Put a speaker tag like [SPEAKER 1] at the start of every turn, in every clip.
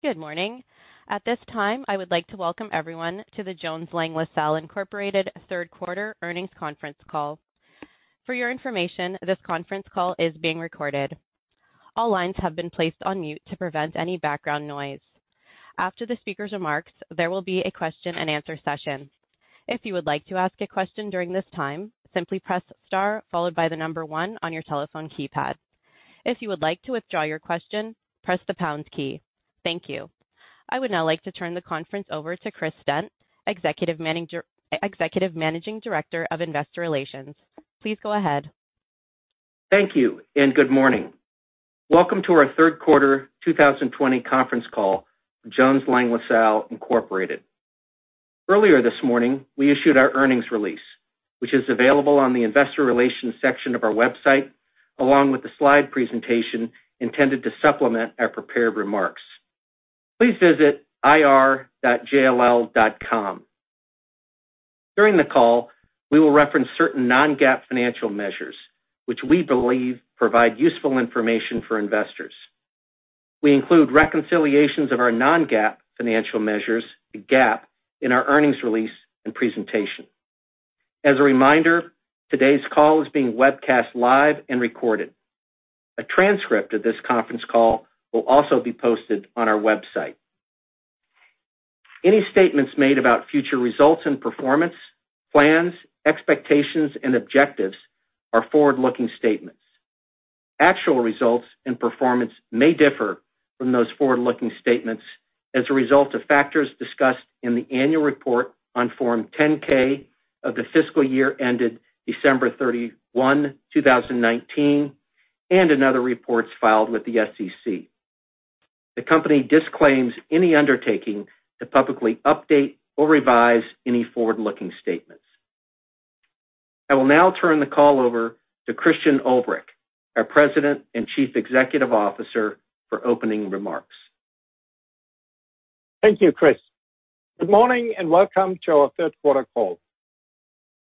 [SPEAKER 1] Good morning. At this time, I would like to welcome everyone to the Jones Lang LaSalle Incorporated third quarter earnings conference call. For your information, this conference call is being recorded. All lines have been placed on mute to prevent any background noise. After the speaker's remarks, there will be a question and answer session. If you would like to ask a question during this time, simply press star followed by the number one on your telephone keypad. If you would like to withdraw your question, press the pound key. Thank you. I would now like to turn the conference over to Chris Stent, Executive Managing Director of Investor Relations. Please go ahead.
[SPEAKER 2] Thank you, and good morning. Welcome to our third quarter 2020 conference call, Jones Lang LaSalle Incorporated. Earlier this morning, we issued our earnings release, which is available on the investor relations section of our website, along with the slide presentation intended to supplement our prepared remarks. Please visit ir.jll.com. During the call, we will reference certain non-GAAP financial measures, which we believe provide useful information for investors. We include reconciliations of our non-GAAP financial measures to GAAP in our earnings release and presentation. As a reminder, today's call is being webcast live and recorded. A transcript of this conference call will also be posted on our website. Any statements made about future results and performance, plans, expectations and objectives are forward-looking statements. Actual results and performance may differ from those forward-looking statements as a result of factors discussed in the annual report on Form 10-K of the fiscal year ended December 31, 2019, and in other reports filed with the SEC. The company disclaims any undertaking to publicly update or revise any forward-looking statements. I will now turn the call over to Christian Ulbrich, our President and Chief Executive Officer, for opening remarks.
[SPEAKER 3] Thank you, Chris. Good morning, and welcome to our third quarter call.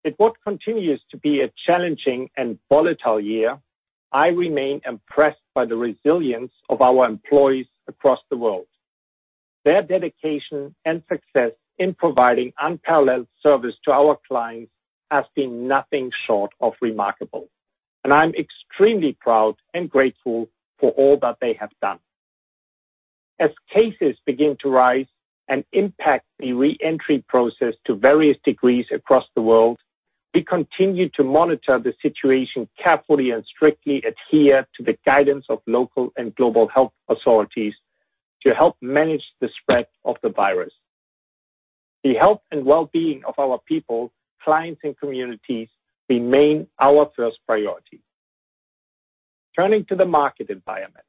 [SPEAKER 3] In what continues to be a challenging and volatile year, I remain impressed by the resilience of our employees across the world. Their dedication and success in providing unparalleled service to our clients has been nothing short of remarkable, and I'm extremely proud and grateful for all that they have done. As cases begin to rise and impact the re-entry process to various degrees across the world, we continue to monitor the situation carefully and strictly adhere to the guidance of local and global health authorities to help manage the spread of the virus. The health and well-being of our people, clients, and communities remain our first priority. Turning to the market environment.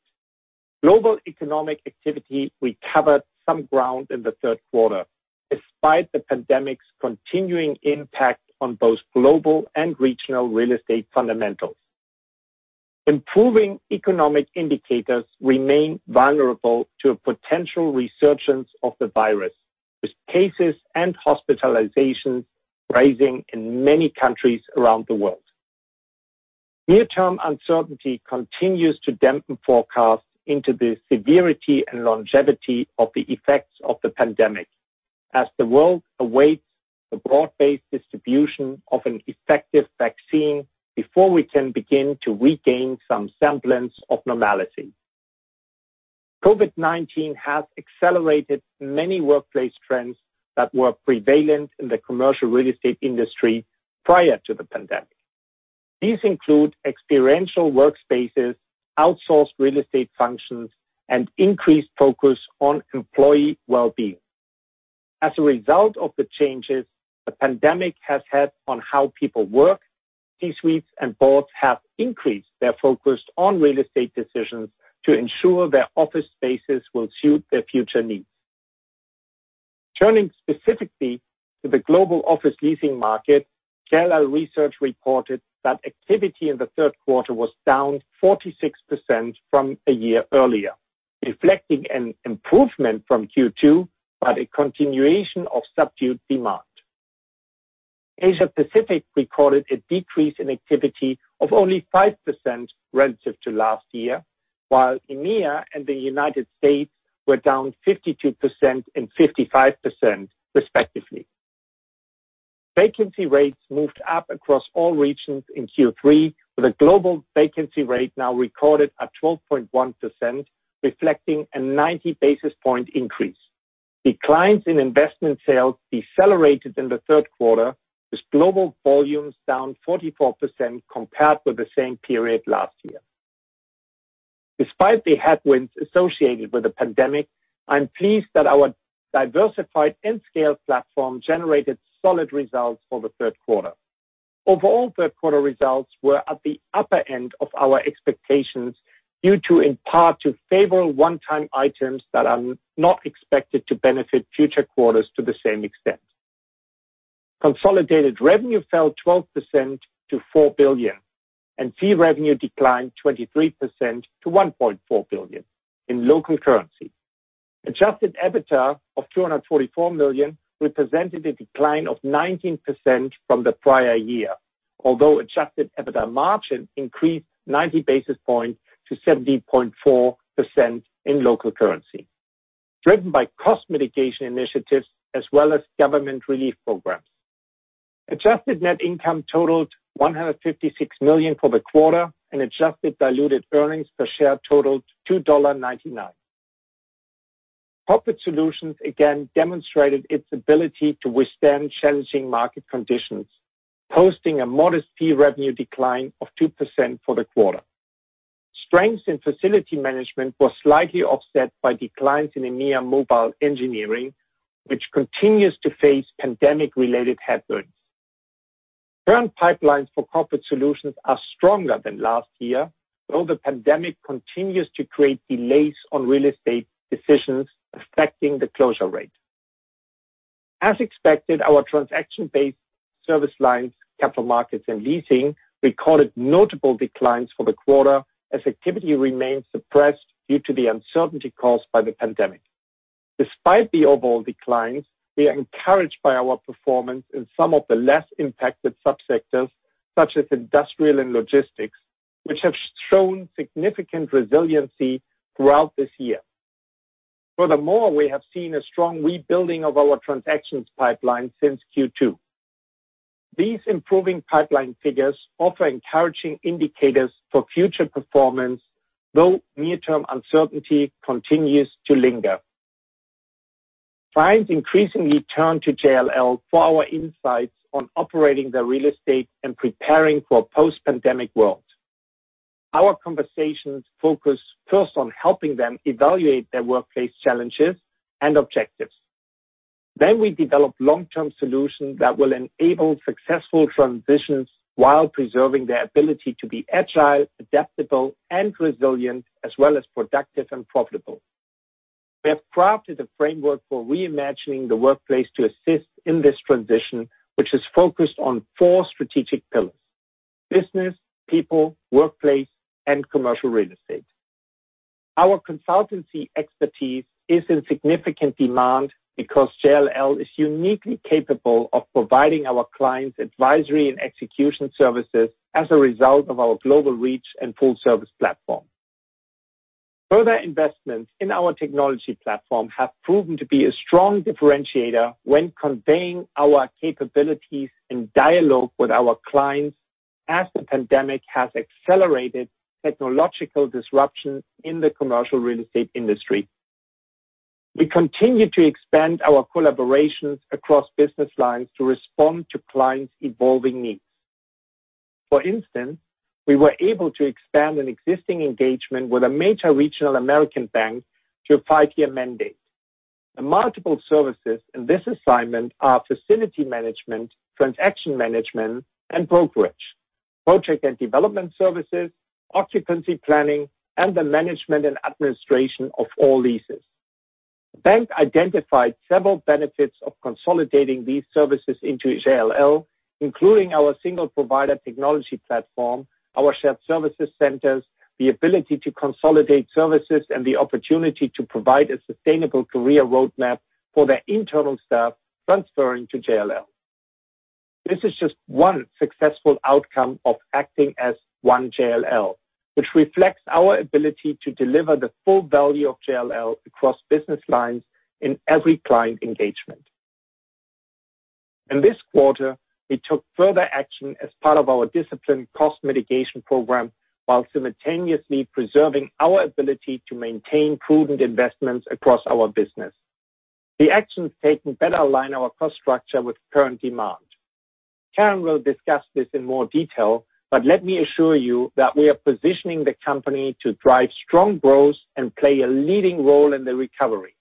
[SPEAKER 3] Global economic activity recovered some ground in the third quarter, despite the pandemic's continuing impact on both global and regional real estate fundamentals. Improving economic indicators remain vulnerable to a potential resurgence of the virus, with cases and hospitalizations rising in many countries around the world. Near-term uncertainty continues to dampen forecasts into the severity and longevity of the effects of the pandemic, as the world awaits the broad-based distribution of an effective vaccine before we can begin to regain some semblance of normality. COVID-19 has accelerated many workplace trends that were prevalent in the commercial real estate industry prior to the pandemic. These include experiential workspaces, outsourced real estate functions, and increased focus on employee well-being. As a result of the changes the pandemic has had on how people work, C-suites and boards have increased their focus on real estate decisions to ensure their office spaces will suit their future needs. Turning specifically to the global office leasing market, JLL Research reported that activity in the third quarter was down 46% from a year earlier, reflecting an improvement from Q2, but a continuation of subdued demand. Asia Pacific recorded a decrease in activity of only 5% relative to last year, while EMEA and the U.S. were down 52% and 55% respectively. Vacancy rates moved up across all regions in Q3, with a global vacancy rate now recorded at 12.1%, reflecting a 90 basis point increase. Declines in investment sales decelerated in the third quarter, with global volumes down 44% compared with the same period last year. Despite the headwinds associated with the pandemic, I'm pleased that our diversified and scaled platform generated solid results for the third quarter. Overall third quarter results were at the upper end of our expectations, due to in part to favorable one-time items that are not expected to benefit future quarters to the same extent. Consolidated revenue fell 12% to $4 billion, and fee revenue declined 23% to $1.4 billion in local currency. Adjusted EBITDA of $244 million represented a decline of 19% from the prior year. Although Adjusted EBITDA margin increased 90 basis points to 70.4% in local currency, driven by cost mitigation initiatives as well as government relief programs. Adjusted net income totaled $156 million for the quarter, and adjusted diluted earnings per share totaled $2.99. Corporate Solutions again demonstrated its ability to withstand challenging market conditions, posting a modest fee revenue decline of 2% for the quarter. Strengths in facility management were slightly offset by declines in EMEA Mobile Engineering, which continues to face pandemic-related headwinds. Current pipelines for Corporate Solutions are stronger than last year, though the pandemic continues to create delays on real estate decisions affecting the closure rate. As expected, our transaction-based service lines, capital markets and leasing, recorded notable declines for the quarter as activity remains suppressed due to the uncertainty caused by the pandemic. Despite the overall declines, we are encouraged by our performance in some of the less impacted sub-sectors such as industrial and logistics, which have shown significant resiliency throughout this year. Furthermore, we have seen a strong rebuilding of our transactions pipeline since Q2. These improving pipeline figures offer encouraging indicators for future performance, though near-term uncertainty continues to linger. Clients increasingly turn to JLL for our insights on operating their real estate and preparing for a post-pandemic world. Our conversations focus first on helping them evaluate their workplace challenges and objectives. Then we develop long-term solutions that will enable successful transitions while preserving their ability to be agile, adaptable, and resilient, as well as productive and profitable. We have crafted a framework for reimagining the workplace to assist in this transition, which is focused on four strategic pillars: business, people, workplace, and commercial real estate. Our consultancy expertise is in significant demand because JLL is uniquely capable of providing our clients advisory and execution services as a result of our global reach and full-service platform. Further investments in our technology platform have proven to be a strong differentiator when conveying our capabilities in dialogue with our clients as the pandemic has accelerated technological disruption in the commercial real estate industry. We continue to expand our collaborations across business lines to respond to clients' evolving needs. For instance, we were able to expand an existing engagement with a major regional American bank to a five-year mandate. The multiple services in this assignment are facility management, transaction management, and brokerage, project and development services, occupancy planning, and the management and administration of all leases. The bank identified several benefits of consolidating these services into JLL, including our single provider technology platform, our shared services centers, the ability to consolidate services, and the opportunity to provide a sustainable career roadmap for their internal staff transferring to JLL. This is just one successful outcome of acting as one JLL, which reflects our ability to deliver the full value of JLL across business lines in every client engagement. In this quarter, we took further action as part of our disciplined cost mitigation program while simultaneously preserving our ability to maintain prudent investments across our business. The actions taken better align our cost structure with current demand. Karen will discuss this in more detail, but let me assure you that we are positioning the company to drive strong growth and play a leading role in the recovery.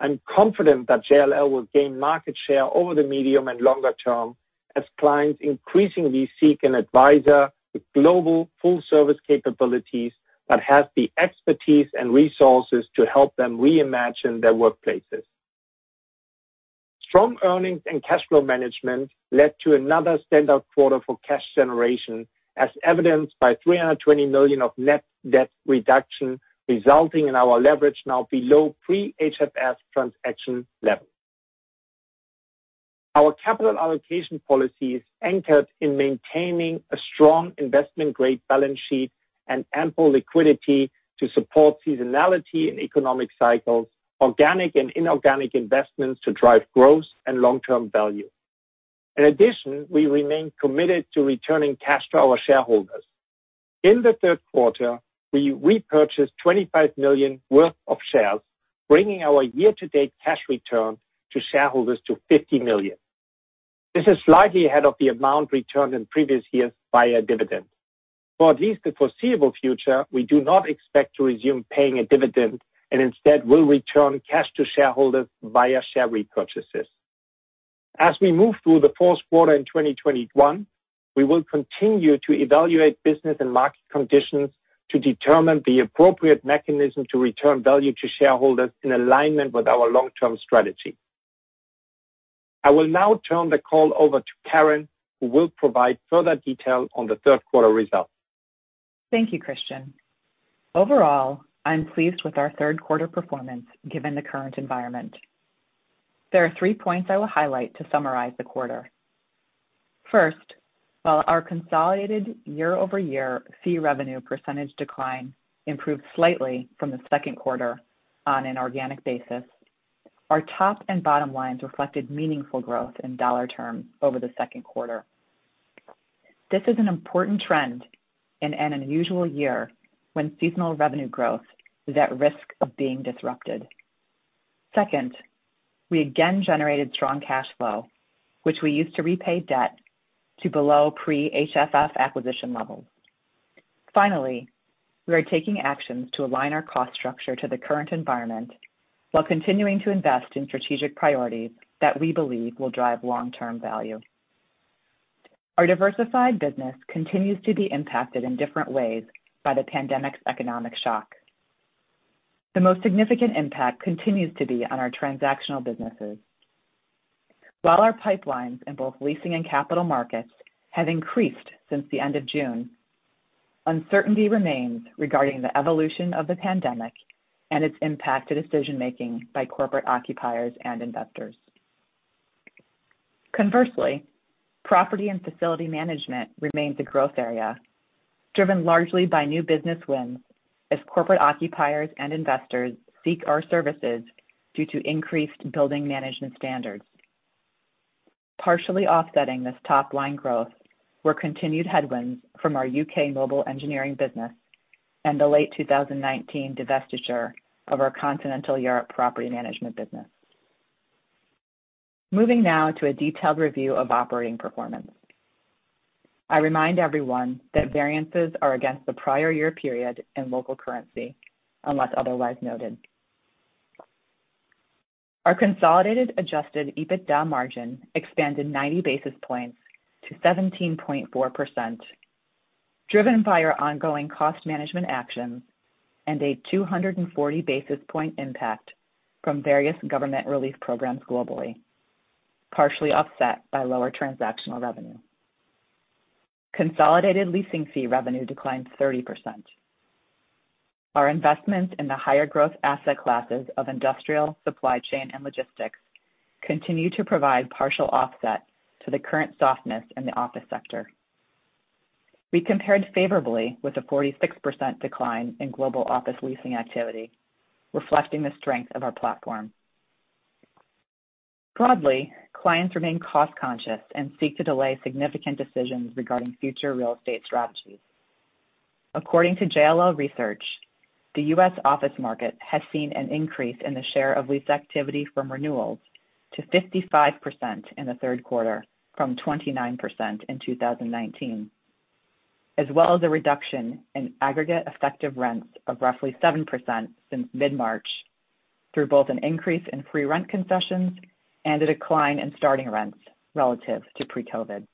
[SPEAKER 3] I'm confident that JLL will gain market share over the medium and longer term as clients increasingly seek an advisor with global full-service capabilities that has the expertise and resources to help them reimagine their workplaces. Strong earnings and cash flow management led to another standout quarter for cash generation, as evidenced by $320 million of net debt reduction, resulting in our leverage now below pre-HFF transaction levels. Our capital allocation policy is anchored in maintaining a strong investment-grade balance sheet and ample liquidity to support seasonality and economic cycles, organic and inorganic investments to drive growth and long-term value. In addition, we remain committed to returning cash to our shareholders. In the third quarter, we repurchased $25 million worth of shares, bringing our year-to-date cash return to shareholders to $50 million. This is slightly ahead of the amount returned in previous years via dividends. For at least the foreseeable future, we do not expect to resume paying a dividend and instead will return cash to shareholders via share repurchases. As we move through the fourth quarter in 2021, we will continue to evaluate business and market conditions to determine the appropriate mechanism to return value to shareholders in alignment with our long-term strategy. I will now turn the call over to Karen, who will provide further detail on the third quarter results.
[SPEAKER 4] Thank you, Christian. Overall, I'm pleased with our third quarter performance given the current environment. There are three points I will highlight to summarize the quarter. First, while our consolidated year-over-year fee revenue percentage decline improved slightly from the second quarter on an organic basis, our top and bottom lines reflected meaningful growth in dollar terms over the second quarter. Second, we again generated strong cash flow, which we used to repay debt to below pre-HFF acquisition levels. Finally, we are taking actions to align our cost structure to the current environment while continuing to invest in strategic priorities that we believe will drive long-term value. Our diversified business continues to be impacted in different ways by the pandemic's economic shock. The most significant impact continues to be on our transactional businesses. While our pipelines in both leasing and capital markets have increased since the end of June, uncertainty remains regarding the evolution of the pandemic and its impact to decision-making by corporate occupiers and investors. Conversely, property and facility management remains a growth area, driven largely by new business wins as corporate occupiers and investors seek our services due to increased building management standards. Partially offsetting this top-line growth were continued headwinds from our U.K. mobile engineering business and the late 2019 divestiture of our continental Europe property management business. Moving now to a detailed review of operating performance. I remind everyone that variances are against the prior year period in local currency, unless otherwise noted. Our consolidated Adjusted EBITDA margin expanded 90 basis points to 17.4%, driven by our ongoing cost management actions and a 240 basis point impact from various government relief programs globally, partially offset by lower transactional revenue. Consolidated leasing fee revenue declined 30%. Our investments in the higher growth asset classes of industrial, supply chain, and logistics continue to provide partial offset to the current softness in the office sector. We compared favorably with a 46% decline in global office leasing activity, reflecting the strength of our platform. Broadly, clients remain cost-conscious and seek to delay significant decisions regarding future real estate strategies. According to JLL Research, the U.S. office market has seen an increase in the share of lease activity from renewals to 55% in the third quarter from 29% in 2019, as well as a reduction in aggregate effective rents of roughly 7% since mid-March, through both an increase in free rent concessions and a decline in starting rents relative to pre-COVID.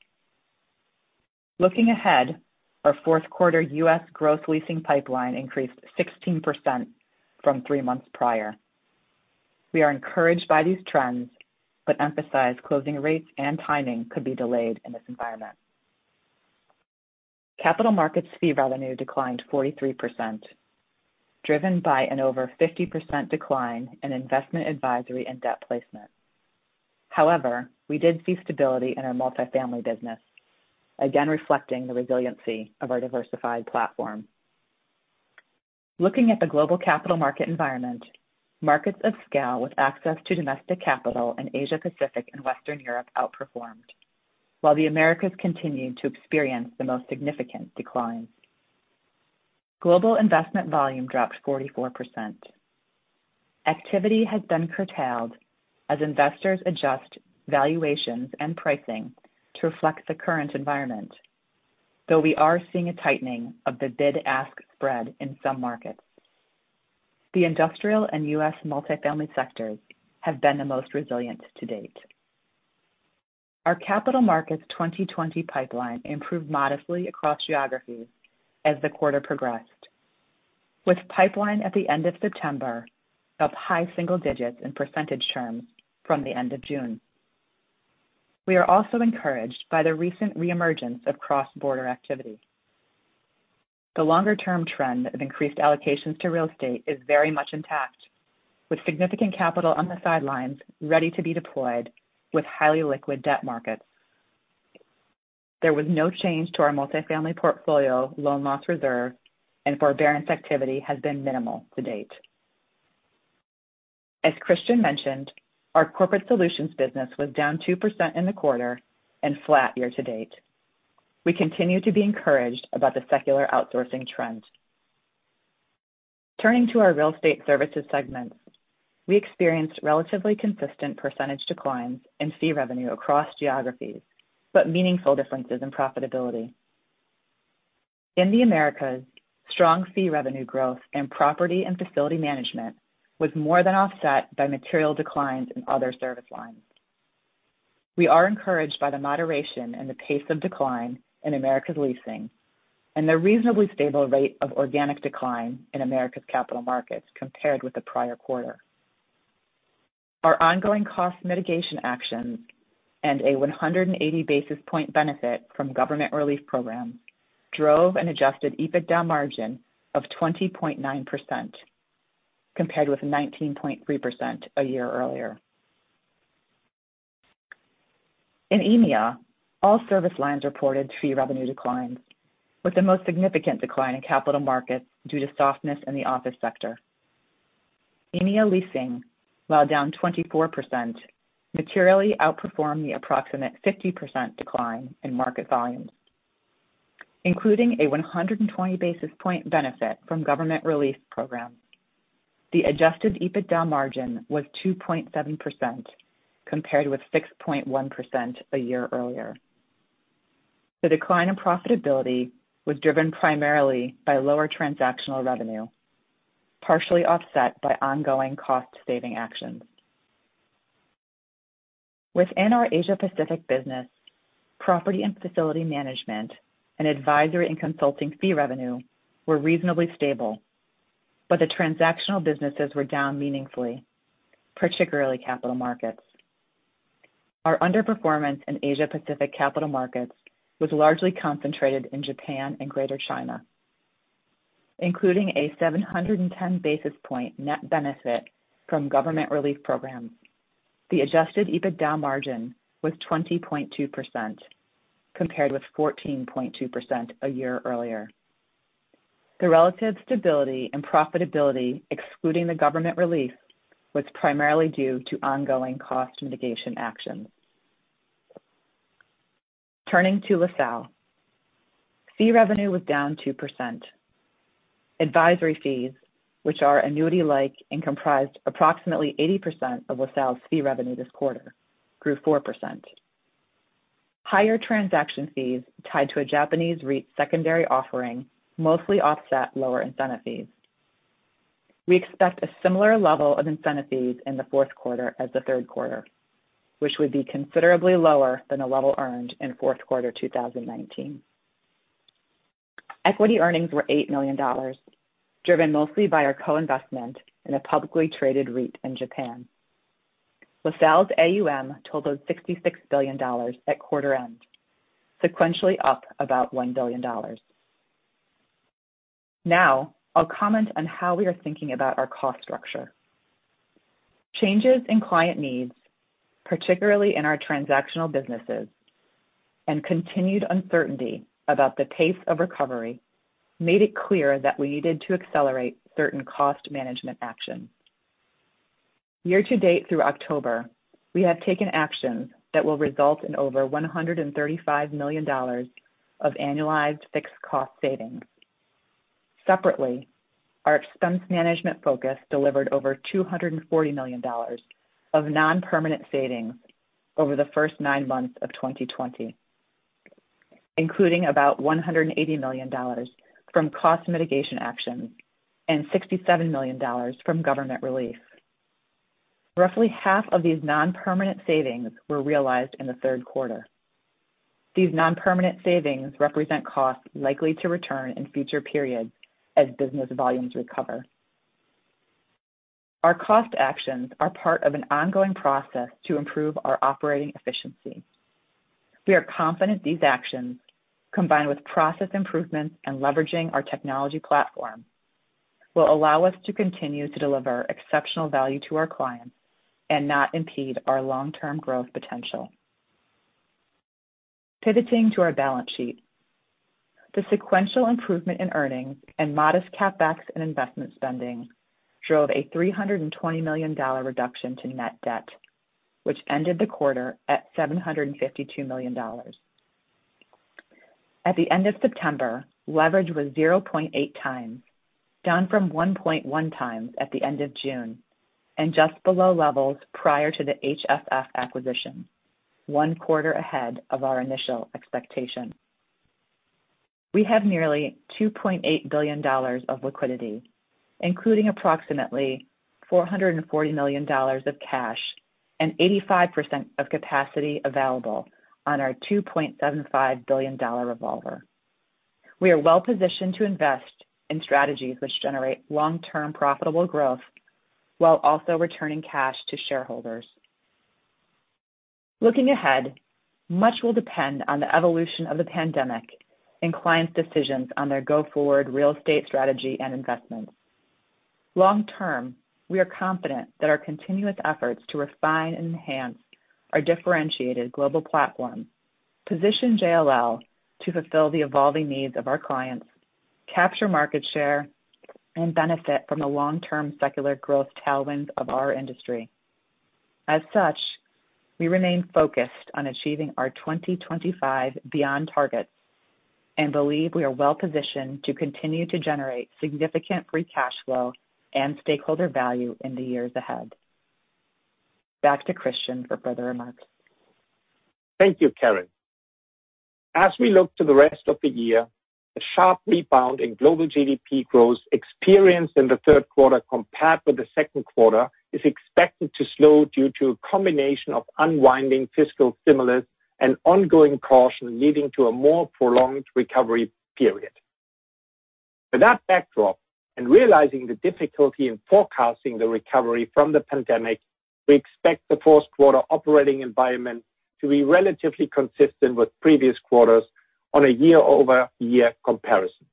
[SPEAKER 4] Looking ahead, our fourth quarter U.S. gross leasing pipeline increased 16% from three months prior. We are encouraged by these trends but emphasize closing rates and timing could be delayed in this environment. Capital markets fee revenue declined 43%, driven by an over 50% decline in investment advisory and debt placement. We did see stability in our multifamily business, again reflecting the resiliency of our diversified platform. Looking at the global capital market environment, markets of scale with access to domestic capital in Asia Pacific and Western Europe outperformed, while the Americas continued to experience the most significant declines. Global investment volume dropped 44%. Activity has been curtailed as investors adjust valuations and pricing to reflect the current environment, though we are seeing a tightening of the bid-ask spread in some markets. The industrial and U.S. multifamily sectors have been the most resilient to date. Our capital markets 2020 pipeline improved modestly across geographies as the quarter progressed, with pipeline at the end of September up high single digits in percentage terms from the end of June. We are also encouraged by the recent reemergence of cross-border activity. The longer-term trend of increased allocations to real estate is very much intact, with significant capital on the sidelines ready to be deployed with highly liquid debt markets. There was no change to our multifamily portfolio loan loss reserve, and forbearance activity has been minimal to date. As Christian mentioned, our Corporate Solutions business was down 2% in the quarter and flat year to date. We continue to be encouraged about the secular outsourcing trend. Turning to our real estate services segments, we experienced relatively consistent percentage declines in fee revenue across geographies, but meaningful differences in profitability. In the Americas, strong fee revenue growth and property and facility management was more than offset by material declines in other service lines. We are encouraged by the moderation in the pace of decline in Americas leasing and the reasonably stable rate of organic decline in Americas capital markets compared with the prior quarter. Our ongoing cost mitigation actions and a 180 basis point benefit from government relief programs drove an adjusted EBITDA margin of 20.9%, compared with 19.3% a year earlier. In EMEA, all service lines reported fee revenue declines, with the most significant decline in capital markets due to softness in the office sector. EMEA leasing, while down 24%, materially outperformed the approximate 50% decline in market volumes. Including a 120 basis point benefit from government relief programs, the adjusted EBITDA margin was 2.7%, compared with 6.1% a year earlier. The decline in profitability was driven primarily by lower transactional revenue, partially offset by ongoing cost-saving actions. Within our Asia Pacific business, property and facility management and advisory and consulting fee revenue were reasonably stable. The transactional businesses were down meaningfully, particularly capital markets. Our underperformance in Asia Pacific capital markets was largely concentrated in Japan and Greater China. Including a 710 basis point net benefit from government relief programs, the Adjusted EBITDA margin was 20.2%, compared with 14.2% a year earlier. The relative stability and profitability, excluding the government relief, was primarily due to ongoing cost mitigation actions. Turning to LaSalle. Fee revenue was down 2%. Advisory fees, which are annuity-like and comprised approximately 80% of LaSalle's fee revenue this quarter, grew 4%. Higher transaction fees tied to a Japanese REIT secondary offering mostly offset lower incentive fees. We expect a similar level of incentive fees in the fourth quarter as the third quarter, which would be considerably lower than the level earned in fourth quarter 2019. Equity earnings were $8 million, driven mostly by our co-investment in a publicly traded REIT in Japan. LaSalle's AUM totaled $66 billion at quarter end, sequentially up about $1 billion. I'll comment on how we are thinking about our cost structure. Changes in client needs, particularly in our transactional businesses, and continued uncertainty about the pace of recovery made it clear that we needed to accelerate certain cost management actions. Year to date through October, we have taken actions that will result in over $135 million of annualized fixed cost savings. Separately, our expense management focus delivered over $240 million of non-permanent savings over the first nine months of 2020, including about $180 million from cost mitigation actions and $67 million from government relief. Roughly half of these non-permanent savings were realized in the third quarter. These non-permanent savings represent costs likely to return in future periods as business volumes recover. Our cost actions are part of an ongoing process to improve our operating efficiency. We are confident these actions, combined with process improvements and leveraging our technology platform, will allow us to continue to deliver exceptional value to our clients and not impede our long-term growth potential. Pivoting to our balance sheet. The sequential improvement in earnings and modest CapEx and investment spending drove a $320 million reduction to net debt, which ended the quarter at $752 million. At the end of September, leverage was 0.8 times, down from 1.1 times at the end of June and just below levels prior to the HFF acquisition, one quarter ahead of our initial expectation. We have nearly $2.8 billion of liquidity, including approximately $440 million of cash and 85% of capacity available on our $2.75 billion revolver. We are well-positioned to invest in strategies which generate long-term profitable growth while also returning cash to shareholders. Looking ahead, much will depend on the evolution of the pandemic and clients' decisions on their go-forward real estate strategy and investments. Long term, we are confident that our continuous efforts to refine and enhance our differentiated global platform position JLL to fulfill the evolving needs of our clients, capture market share, and benefit from the long-term secular growth tailwinds of our industry. As such, we remain focused on achieving our 2025 Beyond targets and believe we are well-positioned to continue to generate significant free cash flow and stakeholder value in the years ahead. Back to Christian for further remarks.
[SPEAKER 3] Thank you, Karen. As we look to the rest of the year, the sharp rebound in global GDP growth experienced in the third quarter compared with the second quarter is expected to slow due to a combination of unwinding fiscal stimulus and ongoing caution leading to a more prolonged recovery period. With that backdrop and realizing the difficulty in forecasting the recovery from the pandemic, we expect the fourth quarter operating environment to be relatively consistent with previous quarters on a year-over-year comparison.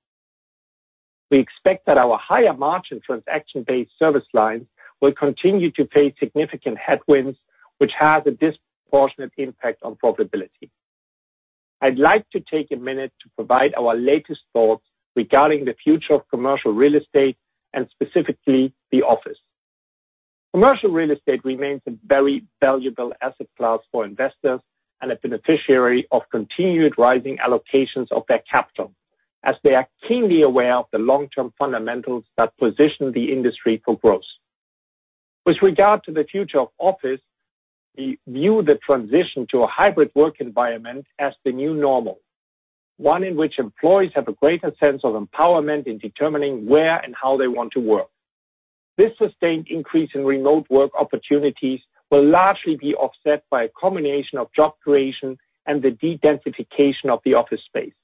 [SPEAKER 3] We expect that our higher margin transaction-based service lines will continue to face significant headwinds, which has a disproportionate impact on profitability. I'd like to take a minute to provide our latest thoughts regarding the future of commercial real estate and specifically the office. Commercial real estate remains a very valuable asset class for investors and a beneficiary of continued rising allocations of their capital, as they are keenly aware of the long-term fundamentals that position the industry for growth. With regard to the future of office, we view the transition to a hybrid work environment as the new normal, one in which employees have a greater sense of empowerment in determining where and how they want to work. This sustained increase in remote work opportunities will largely be offset by a combination of job creation and the de-densification of the office space.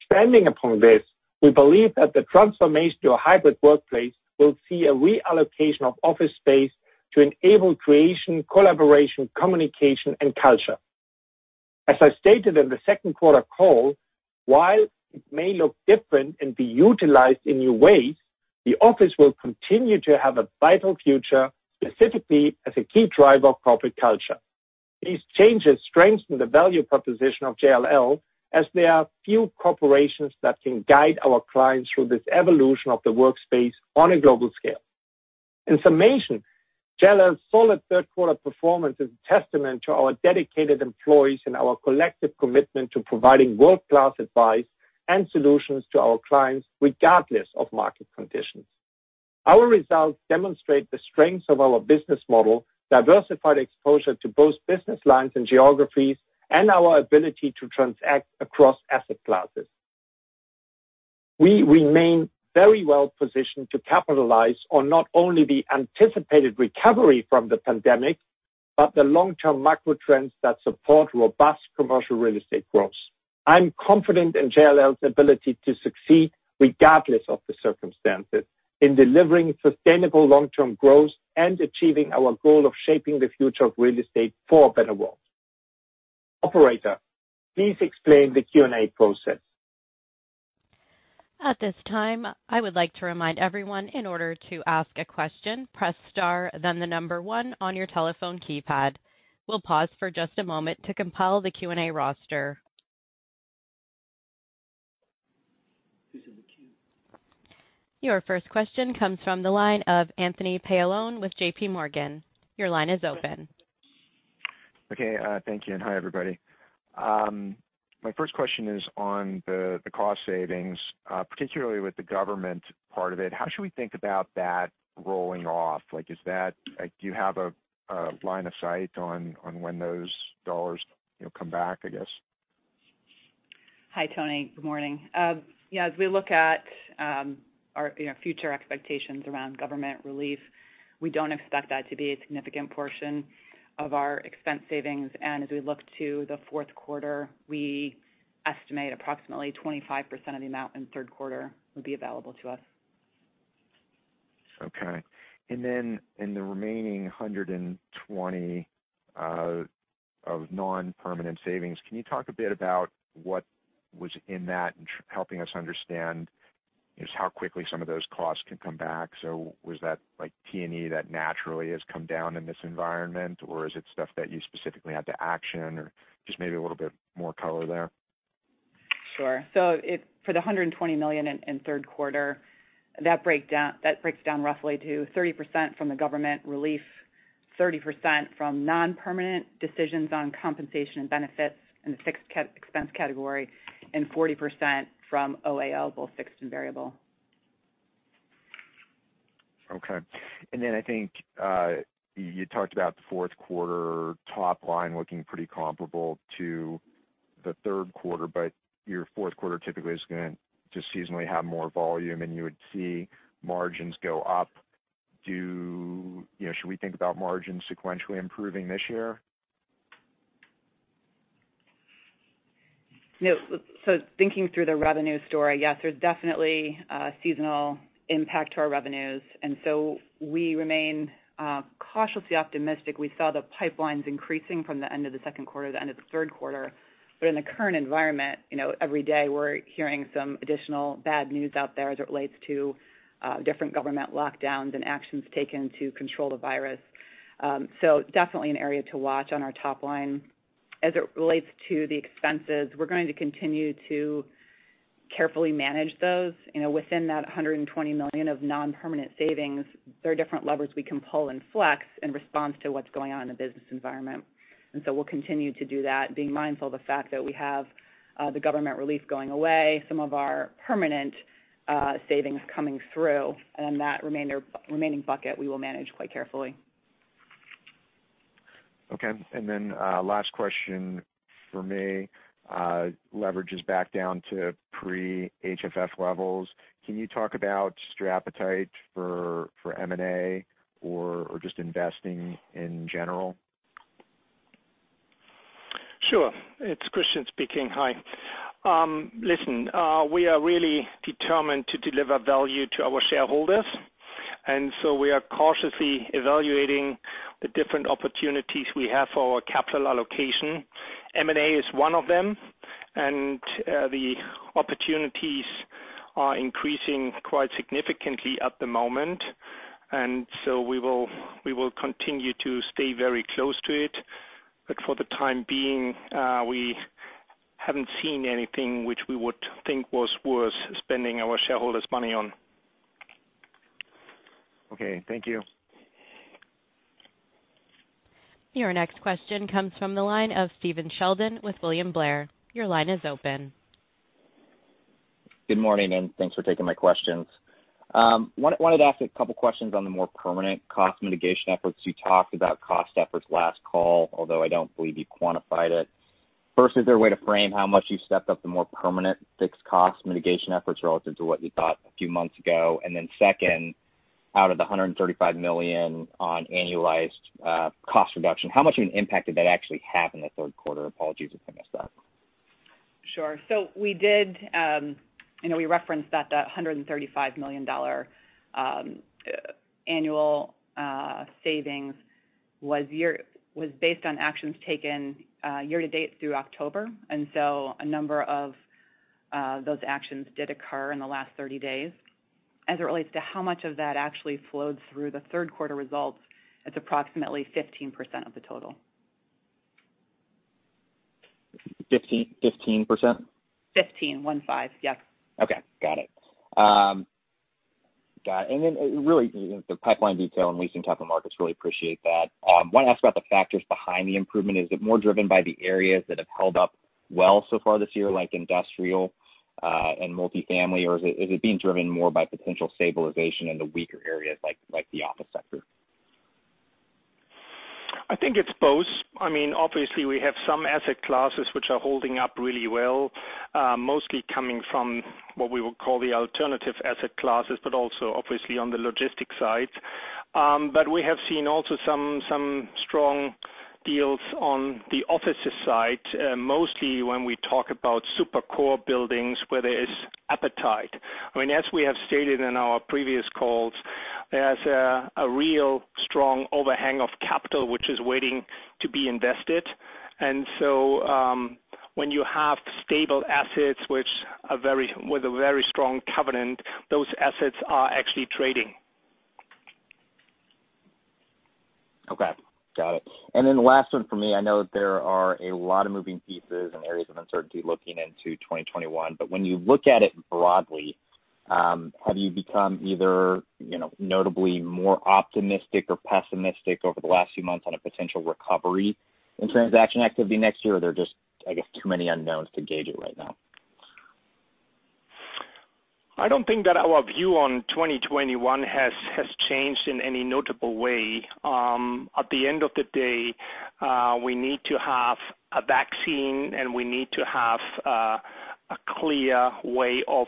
[SPEAKER 3] Expanding upon this, we believe that the transformation to a hybrid workplace will see a reallocation of office space to enable creation, collaboration, communication, and culture. As I stated in the second quarter call, while it may look different and be utilized in new ways, the office will continue to have a vital future, specifically as a key driver of corporate culture. These changes strengthen the value proposition of JLL as there are few corporations that can guide our clients through this evolution of the workspace on a global scale. In summation, JLL's solid third quarter performance is a testament to our dedicated employees and our collective commitment to providing world-class advice and solutions to our clients, regardless of market conditions. Our results demonstrate the strengths of our business model, diversified exposure to both business lines and geographies, and our ability to transact across asset classes. We remain very well positioned to capitalize on not only the anticipated recovery from the pandemic, but the long-term macro trends that support robust commercial real estate growth. I'm confident in JLL's ability to succeed regardless of the circumstances in delivering sustainable long-term growth and achieving our goal of shaping the future of real estate for a better world. Operator, please explain the Q&A process.
[SPEAKER 1] At this time, I would like to remind everyone, in order to ask a question, press star, then the number one on your telephone keypad. We'll pause for just a moment to compile the Q&A roster.
[SPEAKER 3] Who's in the queue?
[SPEAKER 1] Your first question comes from the line of Anthony Paolone with JPMorgan. Your line is open.
[SPEAKER 5] Okay, thank you. Hi, everybody. My first question is on the cost savings, particularly with the government part of it. How should we think about that rolling off? Do you have a line of sight on when those dollars come back, I guess?
[SPEAKER 4] Hi, Tony. Good morning. Yeah. As we look at our future expectations around government relief, we don't expect that to be a significant portion of our expense savings. As we look to the fourth quarter, we estimate approximately 25% of the amount in the third quarter will be available to us.
[SPEAKER 5] Okay. In the remaining $120 of non-permanent savings, can you talk a bit about what was in that and helping us understand just how quickly some of those costs can come back? Was that like T&E that naturally has come down in this environment, or is it stuff that you specifically had to action or just maybe a little bit more color there?
[SPEAKER 4] Sure. For the $120 million in third quarter, that breaks down roughly to 30% from the government relief, 30% from non-permanent decisions on compensation and benefits in the fixed expense category, and 40% from OAL, both fixed and variable.
[SPEAKER 5] Okay. I think you talked about the fourth quarter top line looking pretty comparable to the third quarter, but your fourth quarter typically is going to seasonally have more volume, and you would see margins go up. Should we think about margins sequentially improving this year?
[SPEAKER 4] No. Thinking through the revenue story, yes, there's definitely a seasonal impact to our revenues, and so we remain cautiously optimistic. We saw the pipelines increasing from the end of the second quarter to the end of the third quarter. In the current environment, every day we're hearing some additional bad news out there as it relates to different government lockdowns and actions taken to control the virus. Definitely an area to watch on our top line. As it relates to the expenses, we're going to continue to carefully manage those. Within that $120 million of non-permanent savings, there are different levers we can pull and flex in response to what's going on in the business environment. We'll continue to do that, being mindful of the fact that we have the government relief going away, some of our permanent savings coming through, and that remaining bucket we will manage quite carefully.
[SPEAKER 5] Okay. Last question from me. Leverage is back down to pre-HFF levels. Can you talk about your appetite for M&A or just investing in general?
[SPEAKER 3] Sure. It's Christian speaking. Hi. Listen, we are really determined to deliver value to our shareholders. We are cautiously evaluating the different opportunities we have for our capital allocation. M&A is one of them. The opportunities are increasing quite significantly at the moment. We will continue to stay very close to it. For the time being, we haven't seen anything which we would think was worth spending our shareholders' money on.
[SPEAKER 5] Okay. Thank you.
[SPEAKER 1] Your next question comes from the line of Stephen Sheldon with William Blair. Your line is open.
[SPEAKER 6] Good morning. Thanks for taking my questions. I wanted to ask a couple questions on the more permanent cost mitigation efforts. You talked about cost efforts last call, although I don't believe you quantified it. First, is there a way to frame how much you've stepped up the more permanent fixed cost mitigation efforts relative to what you thought a few months ago? Second, out of the $135 million on annualized cost reduction, how much of an impact did that actually have in the third quarter? Apologies if I messed up.
[SPEAKER 4] Sure. We referenced that $135 million annual savings was based on actions taken year to date through October. A number of those actions did occur in the last 30 days. As it relates to how much of that actually flowed through the third quarter results, it's approximately 15% of the total.
[SPEAKER 6] 15%?
[SPEAKER 4] 15. Yes.
[SPEAKER 6] Okay. Got it. Really the pipeline detail and leasing type of markets really appreciate that. I want to ask about the factors behind the improvement. Is it more driven by the areas that have held up well so far this year, like industrial, and multifamily, or is it being driven more by potential stabilization in the weaker areas like the office sector?
[SPEAKER 3] I think it's both. Obviously we have some asset classes which are holding up really well. Mostly coming from what we would call the alternative asset classes, but also obviously on the logistics side. We have seen also some strong deals on the offices side. Mostly when we talk about super core buildings where there is appetite. As we have stated in our previous calls, there's a real strong overhang of capital, which is waiting to be invested. When you have stable assets with a very strong covenant, those assets are actually trading.
[SPEAKER 6] Okay. Got it. The last one for me, I know that there are a lot of moving pieces and areas of uncertainty looking into 2021. When you look at it broadly, have you become either notably more optimistic or pessimistic over the last few months on a potential recovery in transaction activity next year? Are there just, I guess, too many unknowns to gauge it right now?
[SPEAKER 3] I don't think that our view on 2021 has changed in any notable way. At the end of the day, we need to have a vaccine, and we need to have a clear way of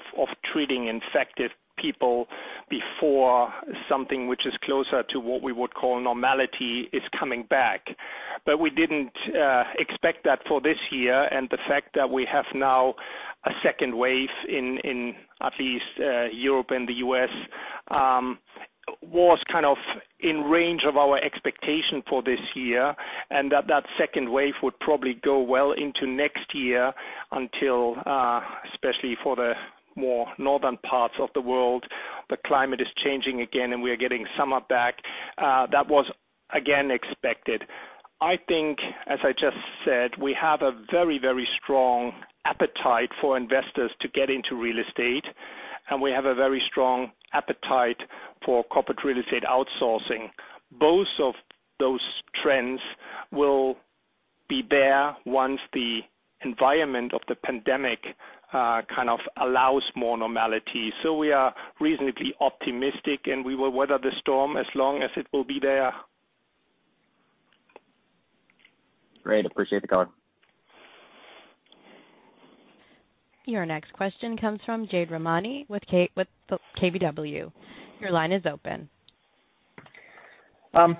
[SPEAKER 3] treating infected people before something which is closer to what we would call normality is coming back. We didn't expect that for this year, and the fact that we have now a second wave in at least Europe and the U.S., was kind of in range of our expectation for this year, and that second wave would probably go well into next year until, especially for the more northern parts of the world, the climate is changing again, and we are getting summer back. That was again expected. I think, as I just said, we have a very strong appetite for investors to get into real estate, and we have a very strong appetite for corporate real estate outsourcing. Both of those trends will be there once the environment of the pandemic kind of allows more normality. We are reasonably optimistic, and we will weather the storm as long as it will be there.
[SPEAKER 6] Great. Appreciate the call.
[SPEAKER 1] Your next question comes from Jade Rahmani with KBW. Your line is open.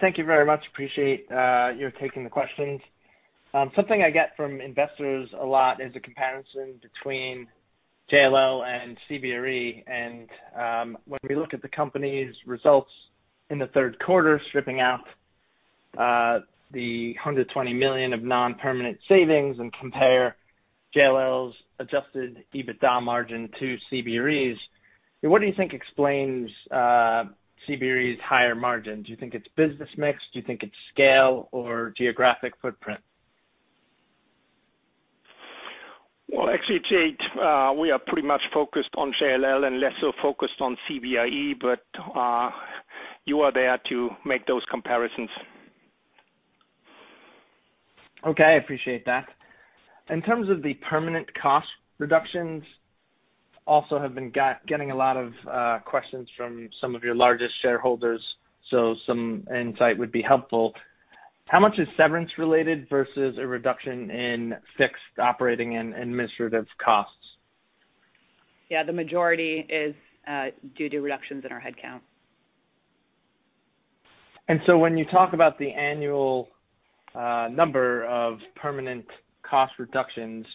[SPEAKER 7] Thank you very much. Appreciate your taking the questions. Something I get from investors a lot is the comparison between JLL and CBRE. When we look at the company's results in the third quarter, stripping out the $120 million of non-permanent savings and compare JLL's Adjusted EBITDA margin to CBRE's, what do you think explains CBRE's higher margin? Do you think it's business mix? Do you think it's scale or geographic footprint?
[SPEAKER 3] Well, actually, Jade, we are pretty much focused on JLL and less so focused on CBRE, but you are there to make those comparisons.
[SPEAKER 7] Okay. I appreciate that. In terms of the permanent cost reductions, also have been getting a lot of questions from some of your largest shareholders, so some insight would be helpful. How much is severance related versus a reduction in fixed operating and administrative costs?
[SPEAKER 4] Yeah, the majority is due to reductions in our headcount.
[SPEAKER 7] When you talk about the annual number of permanent cost reductions,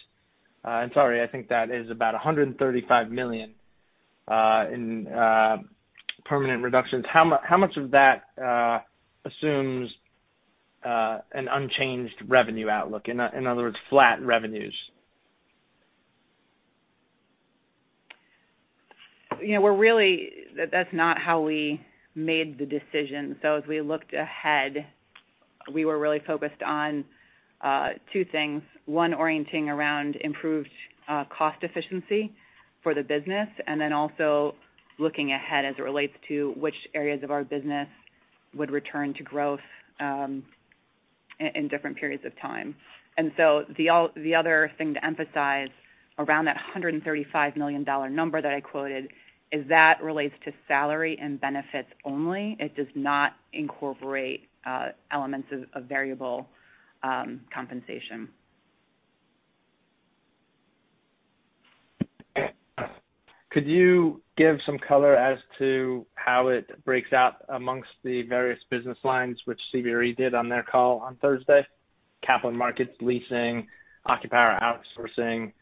[SPEAKER 7] and sorry, I think that is about $135 million in permanent reductions. How much of that assumes an unchanged revenue outlook, in other words, flat revenues?
[SPEAKER 4] That's not how we made the decision. As we looked ahead, we were really focused on two things. One, orienting around improved cost efficiency for the business, and then also looking ahead as it relates to which areas of our business would return to growth in different periods of time. The other thing to emphasize around that $135 million number that I quoted is that relates to salary and benefits only. It does not incorporate elements of variable compensation.
[SPEAKER 7] Could you give some color as to how it breaks out amongst the various business lines which CBRE did on their call on Thursday? Capital markets, leasing, occupier outsourcing,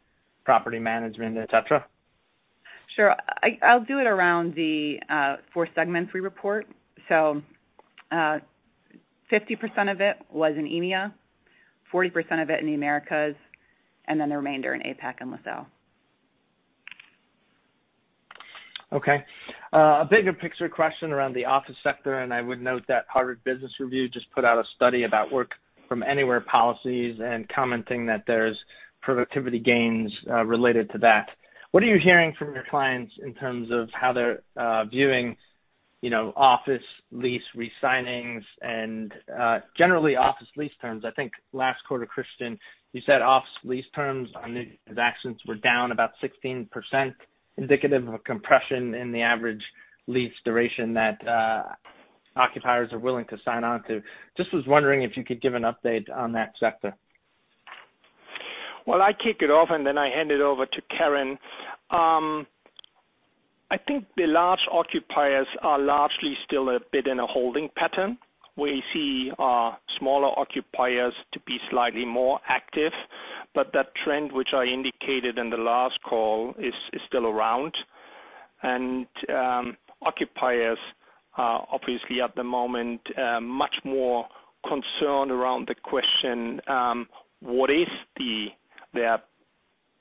[SPEAKER 7] property management, etc.
[SPEAKER 4] Sure. I'll do it around the four segments we report. 50% of it was in EMEA, 40% of it in the Americas, and then the remainder in APAC and LaSalle.
[SPEAKER 7] Okay. A bigger picture question around the office sector. I would note that Harvard Business Review just put out a study about work from anywhere policies and commenting that there's productivity gains related to that. What are you hearing from your clients in terms of how they're viewing office lease re-signings and generally office lease terms? I think last quarter, Christian, you said office lease terms on new transactions were down about 16%, indicative of a compression in the average lease duration that occupiers are willing to sign on to. Just was wondering if you could give an update on that sector.
[SPEAKER 3] Well, I kick it off and then I hand it over to Karen. I think the large occupiers are largely still a bit in a holding pattern. We see smaller occupiers to be slightly more active, but that trend, which I indicated in the last call, is still around. Occupiers are obviously at the moment, much more concerned around the question, what is their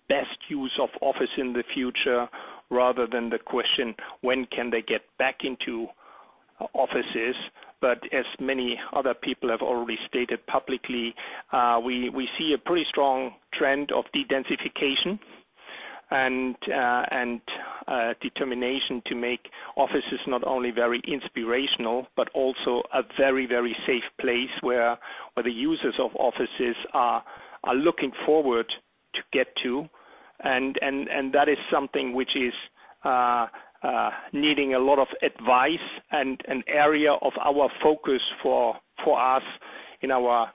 [SPEAKER 3] best use of office in the future rather than the question, when can they get back into offices? As many other people have already stated publicly, we see a pretty strong trend of dedensification and determination to make offices not only very inspirational, but also a very safe place where the users of offices are looking forward to get to. That is something which is needing a lot of advice and an area of our focus for us in our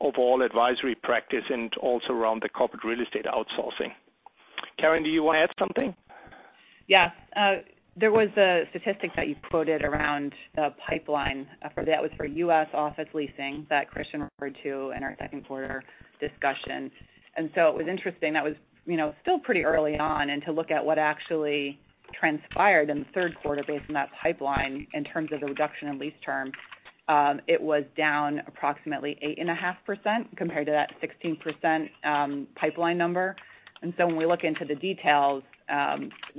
[SPEAKER 3] overall advisory practice and also around the corporate real estate outsourcing. Karen, do you want to add something?
[SPEAKER 4] There was a statistic that you quoted around the pipeline for that was for U.S. office leasing that Christian referred to in our second quarter discussion. It was interesting. That was still pretty early on, and to look at what actually transpired in the third quarter based on that pipeline in terms of the reduction in lease terms. It was down approximately 8.5% compared to that 16% pipeline number. When we look into the details,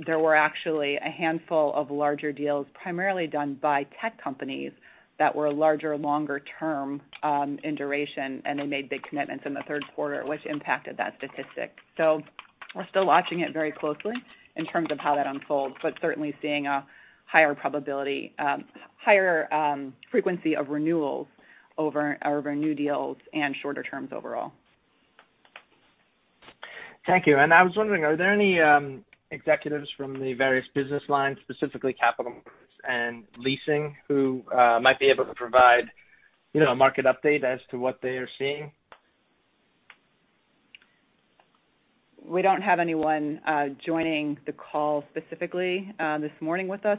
[SPEAKER 4] there were actually a handful of larger deals, primarily done by tech companies that were larger, longer term in duration, and they made big commitments in the third quarter, which impacted that statistic. We're still watching it very closely in terms of how that unfolds, but certainly seeing a higher frequency of renewals over new deals and shorter terms overall.
[SPEAKER 7] Thank you. I was wondering, are there any executives from the various business lines, specifically capital markets and leasing, who might be able to provide a market update as to what they are seeing?
[SPEAKER 4] We don't have anyone joining the call specifically this morning with us.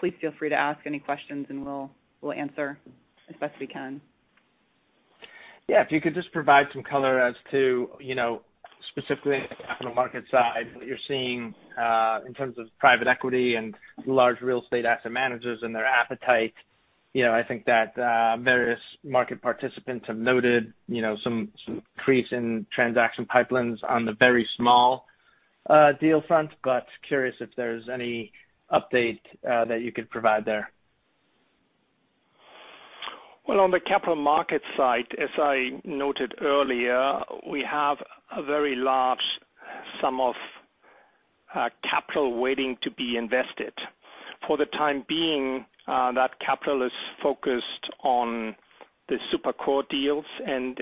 [SPEAKER 4] Please feel free to ask any questions and we'll answer as best we can.
[SPEAKER 7] Yeah. If you could just provide some color as to specifically on the capital market side, what you're seeing in terms of private equity and large real estate asset managers and their appetite. I think that various market participants have noted some increase in transaction pipelines on the very small deal front. Curious if there's any update that you could provide there.
[SPEAKER 3] Well, on the capital markets side, as I noted earlier, we have a very large sum of capital waiting to be invested. For the time being, that capital is focused on the super core deals and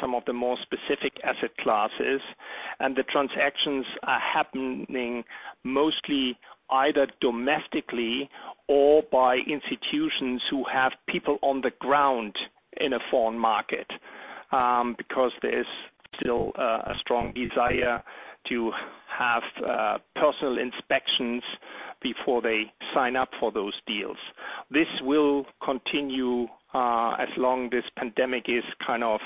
[SPEAKER 3] some of the more specific asset classes, and the transactions are happening mostly either domestically or by institutions who have people on the ground in a foreign market. There is still a strong desire to have personal inspections before they sign up for those deals. This will continue as long this pandemic is kind of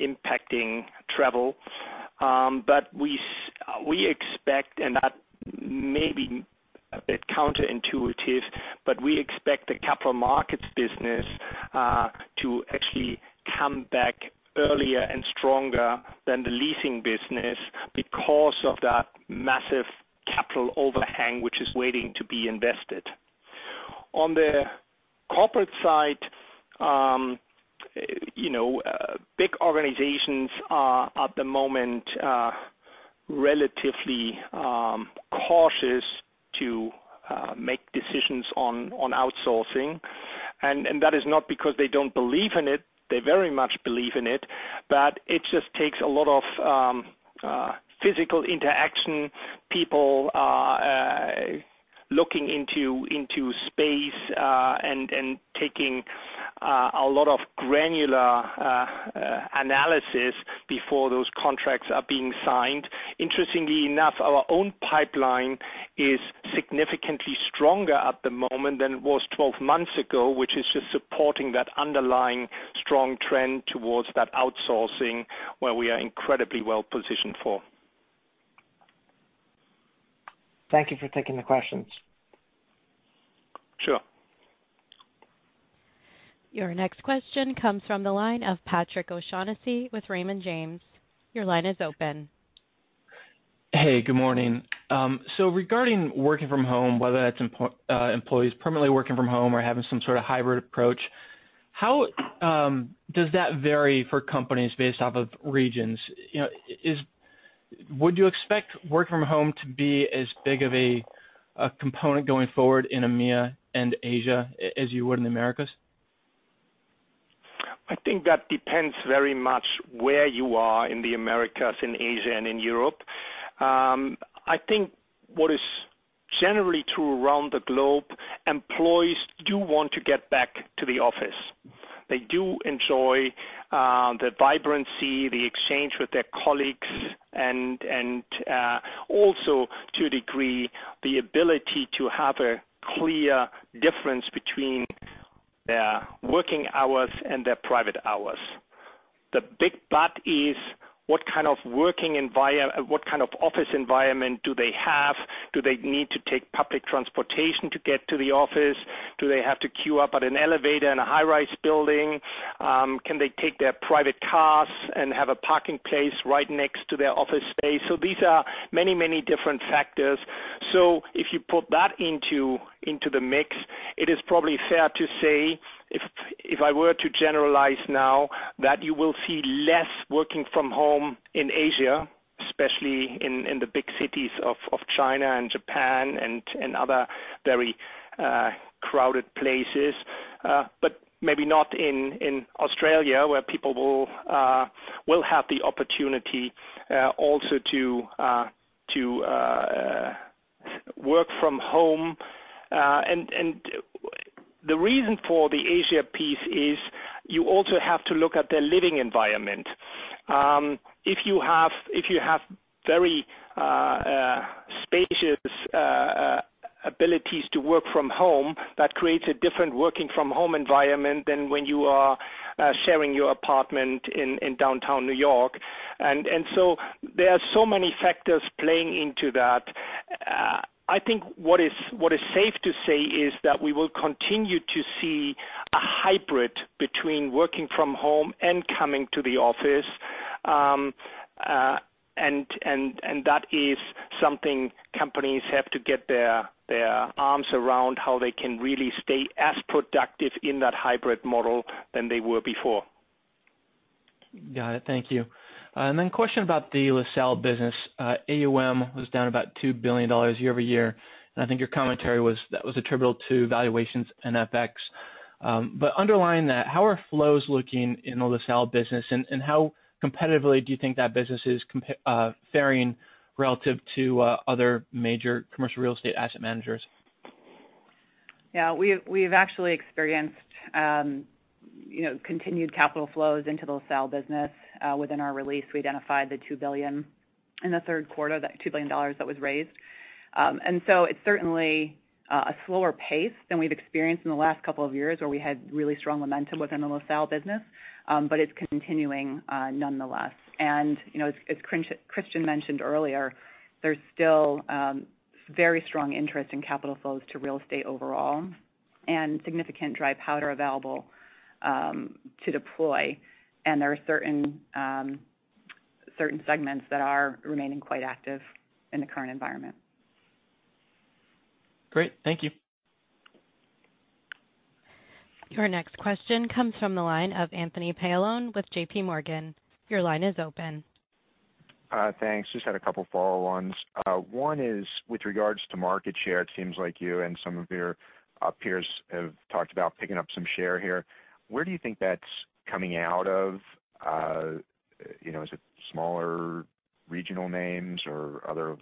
[SPEAKER 3] impacting travel. We expect, and that maybe a bit counter-intuitive, but we expect the capital markets business to actually come back earlier and stronger than the leasing business because of that massive capital overhang, which is waiting to be invested. On the corporate side, big organizations are, at the moment, relatively cautious to make decisions on outsourcing. That is not because they don't believe in it. They very much believe in it, but it just takes a lot of physical interaction. People are looking into space, and taking a lot of granular analysis before those contracts are being signed. Interestingly enough, our own pipeline is significantly stronger at the moment than it was 12 months ago, which is just supporting that underlying strong trend towards that outsourcing, where we are incredibly well-positioned for.
[SPEAKER 7] Thank you for taking the questions.
[SPEAKER 3] Sure.
[SPEAKER 1] Your next question comes from the line of Patrick O'Shaughnessy with Raymond James. Your line is open.
[SPEAKER 8] Hey, good morning. Regarding working from home, whether that's employees permanently working from home or having some sort of hybrid approach, how does that vary for companies based off of regions? Would you expect work from home to be as big of a component going forward in EMEA and Asia as you would in the Americas?
[SPEAKER 3] I think that depends very much where you are in the Americas, in Asia, and in Europe. I think what is generally true around the globe, employees do want to get back to the office. They do enjoy the vibrancy, the exchange with their colleagues, and also to a degree, the ability to have a clear difference between their working hours and their private hours. What kind of office environment do they have? Do they need to take public transportation to get to the office? Do they have to queue up at an elevator in a high-rise building? Can they take their private cars and have a parking place right next to their office space? These are many different factors. If you put that into the mix, it is probably fair to say, if I were to generalize now, that you will see less working from home in Asia, especially in the big cities of China and Japan and other very crowded places. Maybe not in Australia, where people will have the opportunity also to work from home. The reason for the Asia piece is you also have to look at their living environment. If you have very spacious abilities to work from home, that creates a different working-from-home environment than when you are sharing your apartment in downtown New York. There are so many factors playing into that. I think what is safe to say is that we will continue to see a hybrid between working from home and coming to the office. That is something companies have to get their arms around how they can really stay as productive in that hybrid model than they were before.
[SPEAKER 8] Got it. Thank you. Question about the LaSalle business. AUM was down about $2 billion year-over-year, and I think your commentary was that was attributable to valuations and FX. Underlying that, how are flows looking in the LaSalle business, and how competitively do you think that business is faring relative to other major commercial real estate asset managers?
[SPEAKER 4] Yeah. We've actually experienced continued capital flows into LaSalle business. Within our release, we identified the $2 billion that was raised. It's certainly a slower pace than we've experienced in the last couple of years, where we had really strong momentum within the LaSalle business. It's continuing nonetheless. As Christian mentioned earlier, there's still very strong interest in capital flows to real estate overall and significant dry powder available to deploy. There are certain segments that are remaining quite active in the current environment.
[SPEAKER 8] Great. Thank you.
[SPEAKER 1] Your next question comes from the line of Anthony Paolone with JPMorgan. Your line is open.
[SPEAKER 5] Thanks. Just had a couple follow-ons. One is with regards to market share. It seems like you and some of your peers have talked about picking up some share here. Where do you think that's coming out of? Is it smaller regional names or other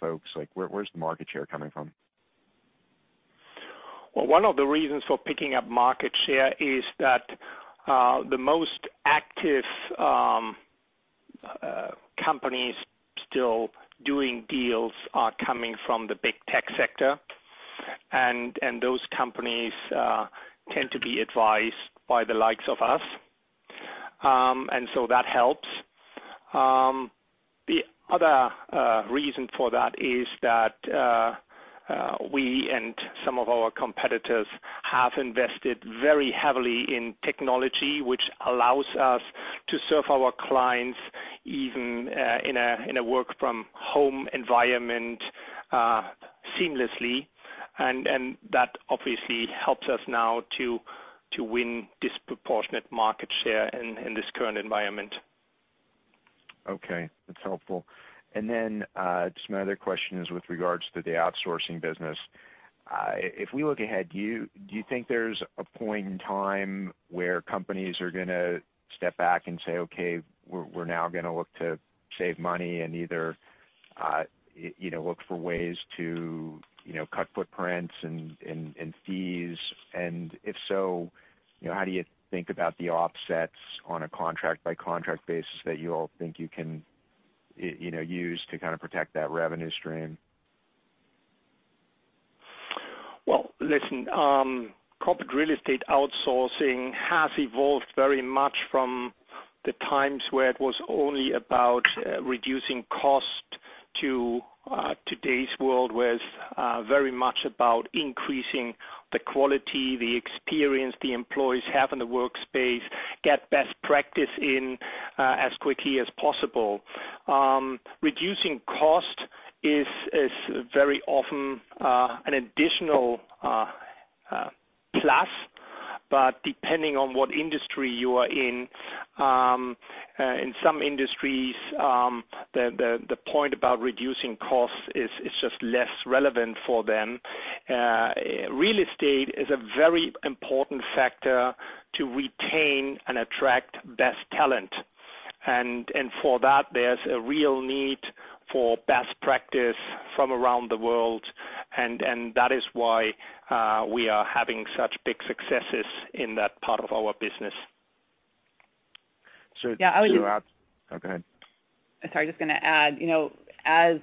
[SPEAKER 5] folks? Where's the market share coming from?
[SPEAKER 3] Well, one of the reasons for picking up market share is that the most active companies still doing deals are coming from the big tech sector, and those companies tend to be advised by the likes of us. That helps. The other reason for that is that we and some of our competitors have invested very heavily in technology, which allows us to serve our clients even in a work from home environment seamlessly. That obviously helps us now to win disproportionate market share in this current environment.
[SPEAKER 5] Okay. That's helpful. My other question is with regards to the outsourcing business. If we look ahead, do you think there's a point in time where companies are going to step back and say, "Okay, we're now going to look to save money and either look for ways to cut footprints and fees?" If so, how do you think about the offsets on a contract by contract basis that you all think you can use to kind of protect that revenue stream?
[SPEAKER 3] Well, listen. Corporate real estate outsourcing has evolved very much from the times where it was only about reducing cost to today's world, where it's very much about increasing the quality, the experience the employees have in the workspace, get best practice in as quickly as possible. Reducing cost is very often an additional plus, but depending on what industry you are in some industries, the point about reducing costs is just less relevant for them. Real estate is a very important factor to retain and attract best talent. And for that, there's a real need for best practice from around the world. And that is why we are having such big successes in that part of our business.
[SPEAKER 5] So do you have-
[SPEAKER 4] Yeah.
[SPEAKER 5] Oh, go ahead.
[SPEAKER 4] Sorry. Just going to add, as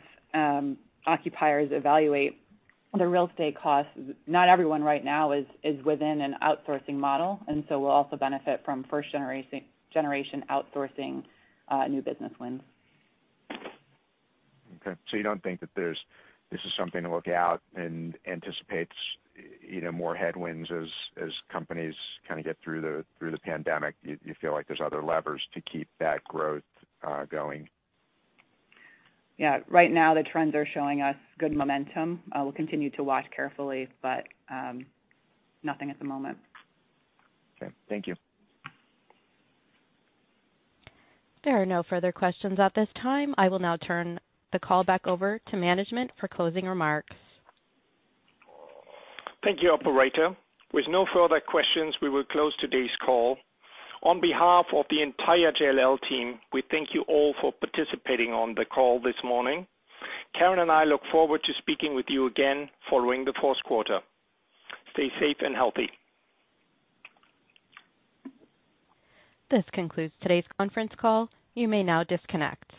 [SPEAKER 4] occupiers evaluate the real estate costs, not everyone right now is within an outsourcing model, and so we'll also benefit from first generation outsourcing new business wins.
[SPEAKER 5] Okay, you don't think that this is something to look out and anticipate more headwinds as companies kind of get through the pandemic. You feel like there's other levers to keep that growth going.
[SPEAKER 4] Yeah. Right now, the trends are showing us good momentum. We'll continue to watch carefully, but nothing at the moment.
[SPEAKER 5] Okay. Thank you.
[SPEAKER 1] There are no further questions at this time. I will now turn the call back over to management for closing remarks.
[SPEAKER 3] Thank you, operator. With no further questions, we will close today's call. On behalf of the entire JLL team, we thank you all for participating on the call this morning. Karen and I look forward to speaking with you again following the fourth quarter. Stay safe and healthy.
[SPEAKER 1] This concludes today's conference call. You may now disconnect.